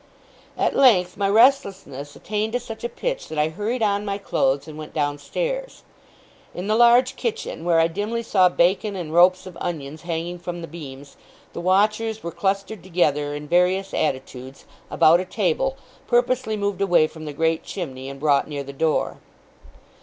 At length, my restlessness attained to such a pitch, that I hurried on my clothes, and went downstairs. In the large kitchen, where I dimly saw bacon and ropes of onions hanging from the beams, the watchers were clustered together, in various attitudes, about a table, purposely moved away from the great chimney, and brought near the door.